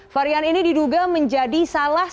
varian ini diduga menjadi salah satu